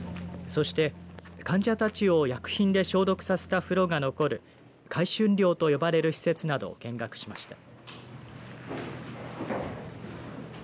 そして、患者たちを薬品で消毒させた風呂が残る回春寮と呼ばれる施設などを見学しました。